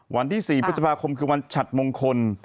วันที่๔พฤษภาคมคือวันฉัดมงคล